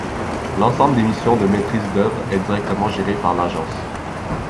L'ensemble des missions de maîtrise d'œuvre est directement géré par l'agence.